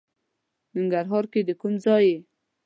ننګرهار کې د کوم ځای؟